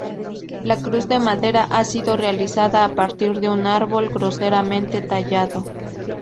La cruz de madera ha sido realizada a partir de un árbol groseramente tallado.